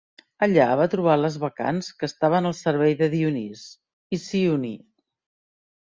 Allà va trobar les bacants que estaven al servei de Dionís, i s'hi uní.